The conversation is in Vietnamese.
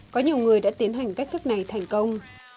có nhiều người đã tiến hành cách thức này thành công